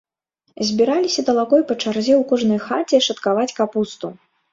Збіраліся талакой па чарзе ў кожнай хаце шаткаваць капусту.